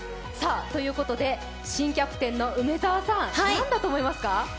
ということで、新キャプテンの梅澤さん、なんだと思いますか。